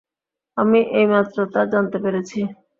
আমি এইমাত্র তা জানতে পেরেছি।